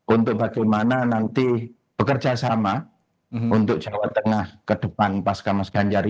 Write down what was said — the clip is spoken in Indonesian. untuk bagaimana nanti bekerja sama untuk jawa tengah ke depan pasca mas ganjar ini